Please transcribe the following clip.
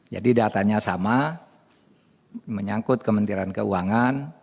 jadi datanya sama menyangkut kementerian keuangan